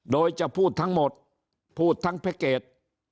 โดยจะพูดทั้งหมดพูดทั้งแพ็คเกจ